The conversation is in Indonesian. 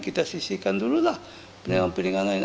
kita sisihkan dulu lah kepentingan kepentingan lain